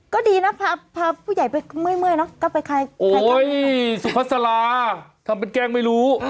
ก็ดีนะพาผู้ใหญ่ไปเมื่อยเนาะก็ไปค่ายกับโอ้ยสุขศลาทำเป็นแกล้งไม่รู้